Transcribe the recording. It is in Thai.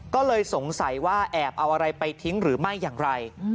ก็เลยสงสัยว่าแอบเอาอะไรไปทิ้งหรือไม่อย่างไร